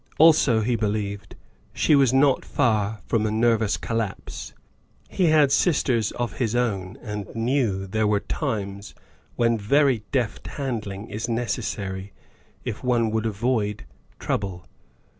Also, he believed, she was not far from a nervous collapse. He had sisters of his own and knew there are times when very deft handling is necessary if one would avoid trouble.